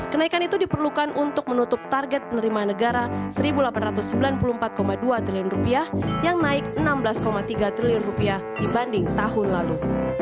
kenaikan itu diperlukan untuk menutup target penerimaan negara rp satu delapan ratus sembilan puluh empat dua triliun yang naik rp enam belas tiga triliun dibanding tahun lalu